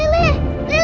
eh eh eh aduh